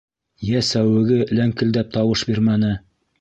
Йә сәүеге ләңкелдәп тауыш бирмәне.